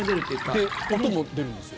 で、音も出るんですよ。